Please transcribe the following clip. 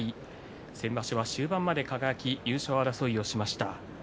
先場所は終盤まで輝、優勝争いをしました。